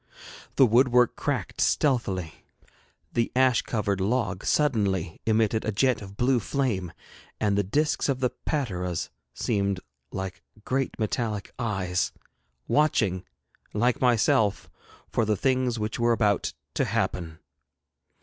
The woodwork cracked stealthily, the ash covered log suddenly emitted a jet of blue flame, and the discs of the pateras seemed like great metallic eyes, watching, like myself, for the things which were about to happen.